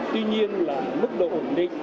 tuy nhiên là mức độ ổn định